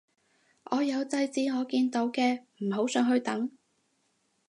我有制止我見到嘅唔好上去等